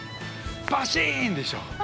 バシーンでしょう。